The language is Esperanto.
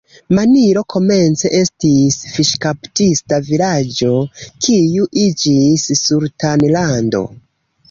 Manilo komence estis fiŝkaptista vilaĝo, kiu iĝis sultanlando.